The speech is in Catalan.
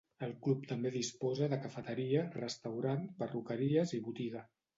El Club també disposa de cafeteria, restaurant, perruqueries i botiga.